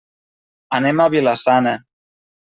Anem a Vila-sana.